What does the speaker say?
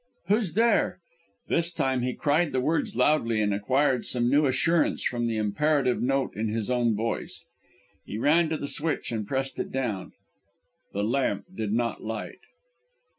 "Who's there?" This time he cried the words loudly, and acquired some new assurance from the imperative note in his own voice. He ran to the switch and pressed it down. The lamp did not light!